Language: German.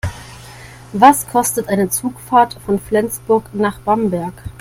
Was kostet eine Zugfahrt von Flensburg nach Bamberg?